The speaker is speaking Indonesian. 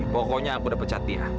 pokoknya aku udah pecat d ya